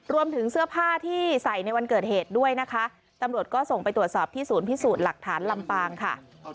รวมถึงเสื้อผ้าที่ใส่ในวันเกิดเหตุด้วยนะคะตำรวจก็ส่งไปตรวจสอบที่ศูนย์พิสูจน์หลักฐานลำปางค่ะ